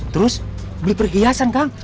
terus beli perhiasan kang